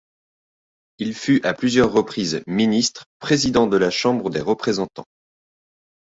Il fut à plusieurs reprises ministres, président de la Chambre des Représentants.